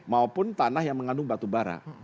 maupun tanah yang mengandung batu bara